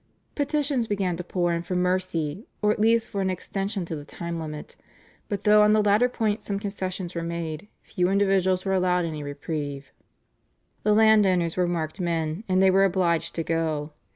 Petitions began to pour in for mercy or at least for an extension to the time limit, but though on the latter point some concessions were made, few individuals were allowed any reprieve. The landowners were marked men, and they were obliged to go.